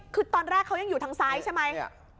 คือตอนแรกเขายังอยู่ทางซ้ายใช่ไหม